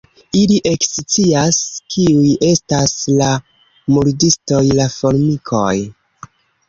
Ili ekscias kiuj estas la murdistoj: la formikoj.